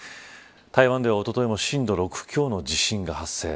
台湾ではおとといも震度６強の地震が発生。